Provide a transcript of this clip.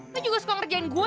aku juga suka ngerjain gue